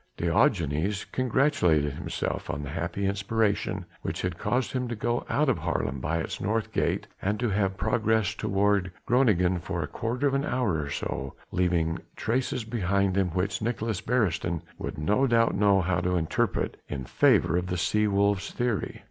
Diogenes congratulated himself on the happy inspiration which had caused him to go out of Haarlem by its north gate and to have progressed toward Groningen for a quarter of an hour or so, leaving traces behind him which Nicolaes Beresteyn would no doubt know how to interpret in favour of the "sea wolves" theory.